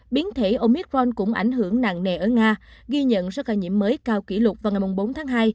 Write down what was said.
biến thể omithron cũng ảnh hưởng nặng nề ở nga ghi nhận số ca nhiễm mới cao kỷ lục vào ngày bốn tháng hai